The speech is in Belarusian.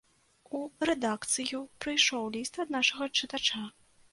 У рэдакцыю прыйшоў ліст ад нашага чытача.